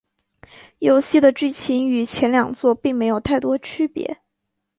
游戏的剧情与前两作并没有太多区别。